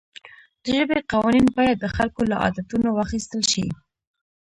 د ژبې قوانین باید د خلکو له عادتونو واخیستل شي.